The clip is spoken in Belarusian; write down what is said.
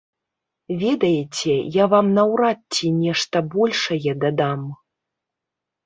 Ведаеце, я вам наўрад ці нешта большае дадам.